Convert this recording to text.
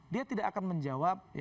dia tidak akan menjawab